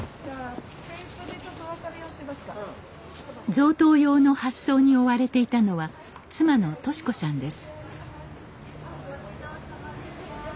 贈答用の発送に追われていたのは妻の敏子さんです。